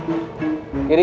ya pak juna